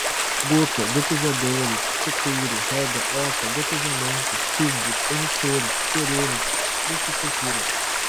gota, gotejadores, sequeiro, rega, horta, gotejamento, tubos, emissores, perenes, fruticultura